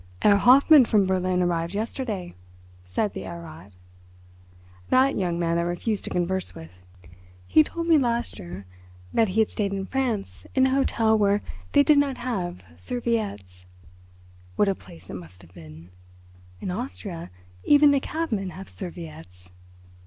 "Herr Hoffmann from Berlin arrived yesterday," said the Herr Rat. "That young man I refuse to converse with. He told me last year that he had stayed in France in an hotel where they did not have serviettes; what a place it must have been! In Austria even the cabmen have serviettes.